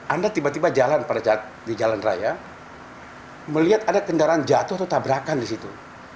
anda tiba tiba jalan pada saat di jalan raya melihat ada kendaraan jatuh atau tabrakan di situ